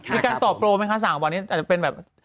มีการต่อโปรไหมคะ๓วันนี้อาจจะเป็นแบบ